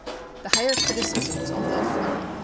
The Higher Criticism was only a flurry.